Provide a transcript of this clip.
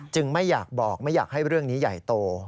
ไม่อยากบอกไม่อยากให้เรื่องนี้ใหญ่โต